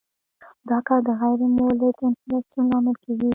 دا کار د غیر مولد انفلاسیون لامل کیږي.